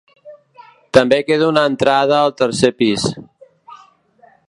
També queda una entrada al tercer pis.